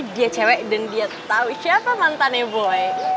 dia cewek dan dia tahu siapa mantannya boy